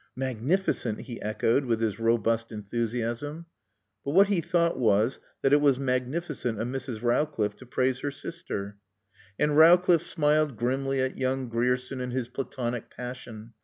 "Magnificent!" he echoed with his robust enthusiasm. But what he thought was that it was magnificent of Mrs. Rowcliffe to praise her sister. And Rowcliffe smiled grimly at young Grierson and his Platonic passion.